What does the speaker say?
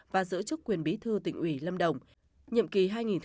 và giữ chức quyền bí thư tỉnh ủy lâm đồng nhiệm kỳ hai nghìn hai mươi hai nghìn hai mươi năm